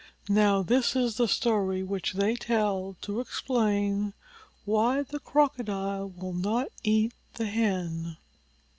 Now this is the story which they tell to explain why the Crocodile will not eat the Hen.